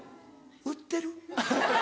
売ってる？